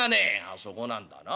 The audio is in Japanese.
「そこなんだな。